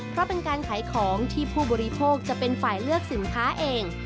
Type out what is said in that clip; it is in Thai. เพราะเป็นการขายของที่ผู้บริโภคจะเป็นฝ่ายเลือกสินค้าเอง